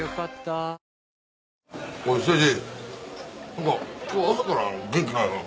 何か今日朝から元気ないな。